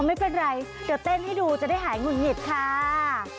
ไม่เป็นไรเดี๋ยวเต้นให้ดูจะได้หายหงุดหงิดค่ะ